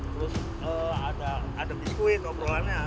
terus ada biskuit obrolannya